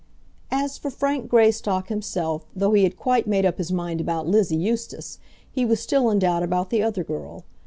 As for Frank Greystock himself, though he had quite made up his mind about Lizzie Eustace, he was still in doubt about the other girl.